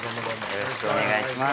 よろしくお願いします。